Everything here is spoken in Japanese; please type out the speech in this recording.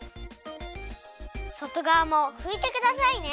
外がわもふいてくださいね。